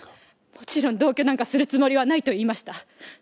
もちろん同居なんかするつもりはないと言いました。